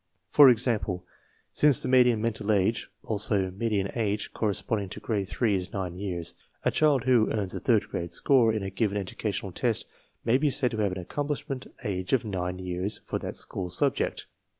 For example, since the median mental age (also median age) corresponding to Grade 3 is nine years, a child who earns a third grade score in a given educational test may be said to have an accomplishment age of nine years for that school subject.